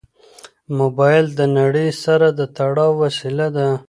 موبایل د نړۍ سره د تړاو وسیله ده.